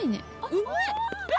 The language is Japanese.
うまい！わ！